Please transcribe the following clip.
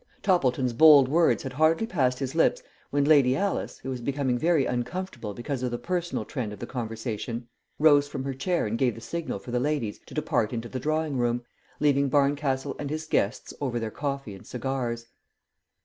Toppleton's bold words had hardly passed his lips when Lady Alice, who was becoming very uncomfortable because of the personal trend of the conversation, rose from her chair and gave the signal for the ladies to depart into the drawing room, leaving Barncastle and his guests over their coffee and cigars.